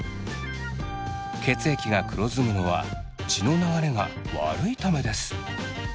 血液が黒ずむのは血の流れが悪いためです。